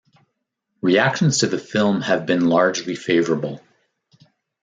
Reactions to the film have been largely favorable.